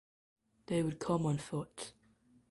They would come on foot.